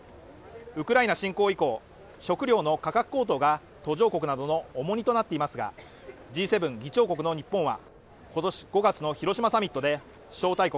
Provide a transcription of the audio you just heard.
ウクライナ侵攻以降食料の価格高騰が途上国などの重荷となっていますがＧ７議長国の日本は今年５月の広島サミットで招待国